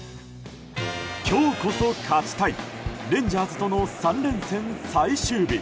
今日こそ勝ちたいレンジャーズとの３連戦最終日。